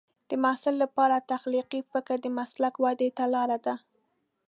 د محصل لپاره تخلیقي فکر د مسلک ودې ته لار ده.